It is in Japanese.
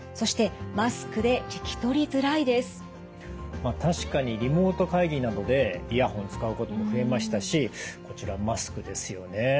まあ確かにリモート会議などでイヤホン使うことも増えましたしこちらマスクですよね。